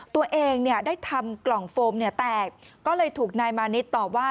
ตัวเองได้ทำกล่องโฟมแตกก็เลยถูกนายมานิษฐ์ตอบว่า